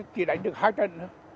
chỉ đánh được hai trận